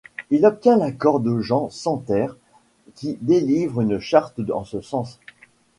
Il obtient l'accord de Jean sans Terre qui délivre une charte en ce sens.